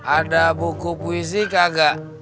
ada buku puisi kagak